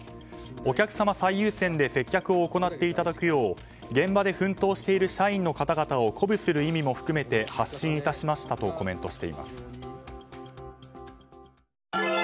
お客様最優先で接客を行っていただくよう現場で奮闘している社員の方々を鼓舞する意味も含めて発信いたしましたとコメントしています。